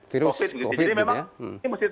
virus covid jadi memang ini